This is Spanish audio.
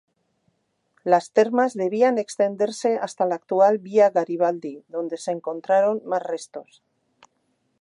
Las termas debían extenderse hasta la actual Via Garibaldi, donde se encontraron más restos.